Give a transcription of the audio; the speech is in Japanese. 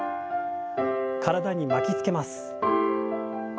体に巻きつけます。